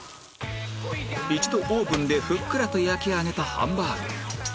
一度オーブンでふっくらと焼き上げたハンバーグ